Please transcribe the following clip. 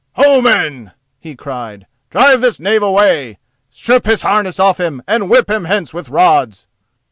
"Ho, men!" he cried, "drive this knave away. Strip his harness off him and whip him hence with rods."